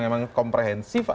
yang susah sesuai